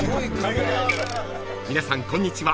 ［皆さんこんにちは